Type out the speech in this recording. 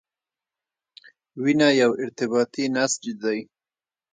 وینه یو ارتباطي نسج دی.